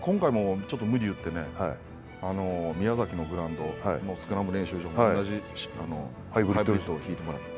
今回ちょっと無理言ってね宮崎のグラウンドのスクラム練習場も同じハイブリッドを引いてもらって。